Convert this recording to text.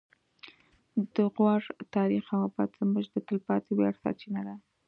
د غور تاریخ او ادب زموږ د تلپاتې ویاړ سرچینه ده